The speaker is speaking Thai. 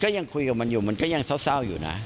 ยังคุยกับมันอยู่มันก็ยังเศร้าอยู่นะ